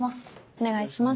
・お願いします。